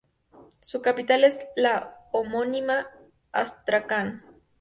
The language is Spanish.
Su capital es la homónima Astracán.